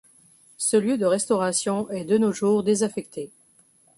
Ce lieu de restauration est de nos jours désaffecté.